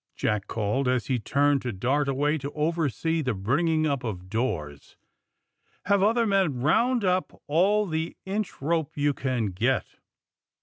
Jack called, as he tnrned to dart away to oversee the bringing np of doors. '^ Have other men ronnd np all the inch rope yon can get."